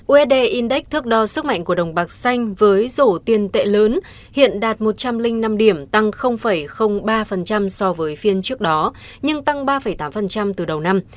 usd index thước đo sức mạnh của đồng bạc xanh với rổ tiền tệ lớn hiện đạt một trăm linh năm điểm tăng ba so với phiên trước đó nhưng tăng ba tám từ đầu năm